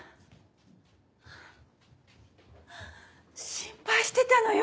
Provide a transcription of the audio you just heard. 心配してたのよ？